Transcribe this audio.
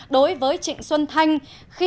đối với trịnh xuân thanh